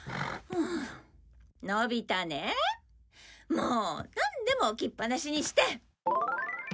もうなんでも置きっぱなしにして！